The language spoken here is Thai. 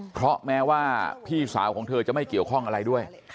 เพราะแม้ว่าพี่สาวของเธอจะไม่เกี่ยวข้องอะไรด้วย